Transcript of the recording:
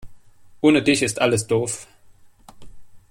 Ohne dich ist alles doof.